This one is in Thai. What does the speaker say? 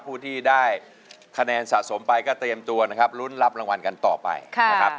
ผู้ที่ได้คะแนนสะสมไปก็เตรียมตัวนะครับลุ้นรับรางวัลกันต่อไปนะครับ